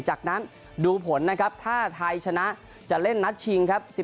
จากนั้นดูผลนะครับถ้าไทยชนะจะเล่นนัดชิงครับ